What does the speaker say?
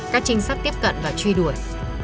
các trinh sát tiếp cận và truy đuổi